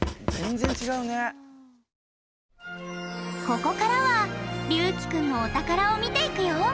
ここからはりゅうきくんのお宝を見ていくよ！